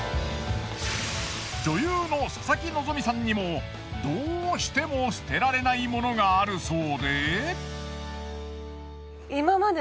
女優の佐々木希さんにもどうしても捨てられない物があるそうで。